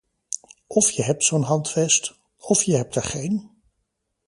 Of je hebt zo'n handvest, of je hebt er geen.